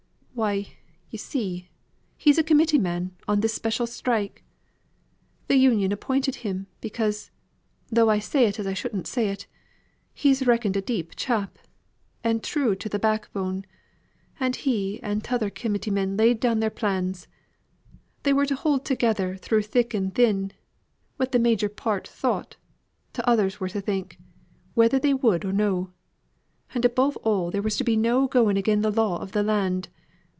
"Why, yo' see, he's a committee man on this special strike. Th' Union appointed him because, though I say it as shouldn't say it, he's reckoned a deep chap, and true to th' back bone. And he and t'other committee men laid their plans. They were to hou'd together through thick and thin; what the major part thought, t'others were to think, whether they would or no. And above all there was to be no going again the law of the land.